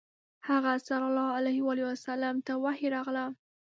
هغه ﷺ ته وحی راغله.